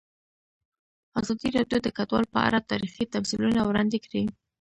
ازادي راډیو د کډوال په اړه تاریخي تمثیلونه وړاندې کړي.